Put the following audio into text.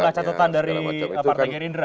itu sejumlah catatan dari partai gerindra